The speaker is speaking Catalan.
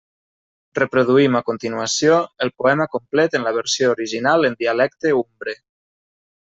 Reproduïm a continuació el poema complet en la versió original en dialecte umbre.